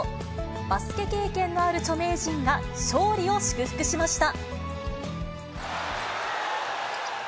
バスケ経験のある著名人が、勝利を祝福しました。